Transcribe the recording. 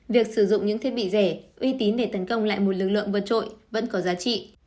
việc sử dụng những thiết bị rẻ uy tín để tấn công lại một lực lượng vật trội vẫn có giá trị